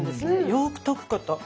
よく溶くこと。